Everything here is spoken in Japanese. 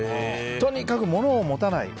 とにかく物を持たない。